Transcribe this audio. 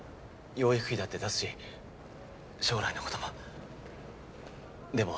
養育費だって出すし将来のこともでも。